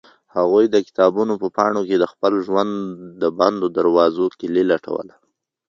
هغوی د کتابونو په پاڼو کې د خپل ژوند د بندو دروازو کیلي لټوله.